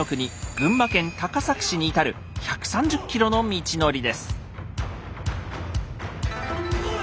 群馬県高崎市に至る１３０ｋｍの道のりです。